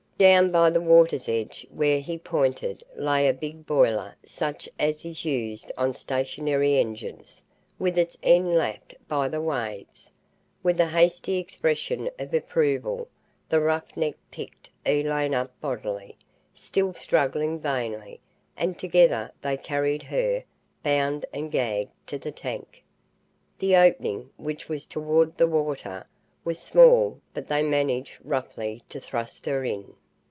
Down by the water's edge, where he pointed, lay a big boiler such as is used on stationary engines, with its end lapped by the waves. With a hasty expression of approval, the rough neck picked Elaine up bodily, still struggling vainly, and together they carried her, bound and gagged, to the tank. The opening, which was toward the water, was small, but they managed, roughly, to thrust her in.